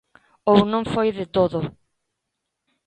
Ou non foi de todo.